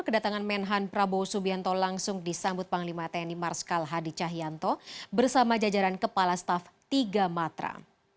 kedatangan menhan prabowo subianto langsung disambut panglima tni marskal hadi cahyanto bersama jajaran kepala staf tiga matra